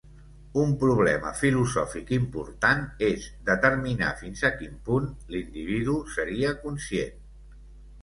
Un problema filosòfic important és determinar fins a quin punt l'individu seria conscient.